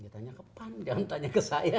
tanya ke pan jangan tanya ke saya